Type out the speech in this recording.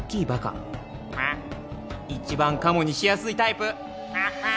一番かもにしやすいタイプ。